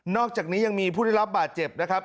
อกจากนี้ยังมีผู้ได้รับบาดเจ็บนะครับ